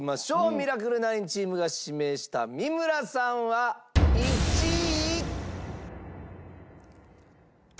ミラクル９チームが指名した三村さんは１位。